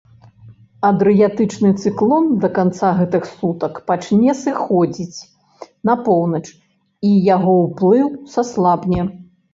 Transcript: Адрыятычны цыклон да канца гэтых сутак пачне сыходзіць на поўнач і яго ўплыў саслабне.